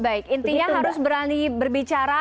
baik intinya harus berani berbicara